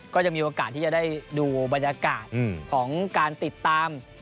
ก็จะมีโอกาสที่จะได้ดูบรรยากาศของการติดตาม